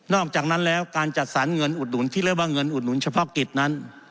อกจากนั้นแล้วการจัดสรรเงินอุดหนุนที่เรียกว่าเงินอุดหนุนเฉพาะกิจนั้น